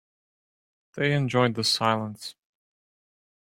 They enjoyed the silence.